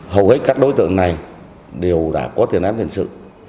hầu hết các đối tượng này đều đã có thiên án thiên sự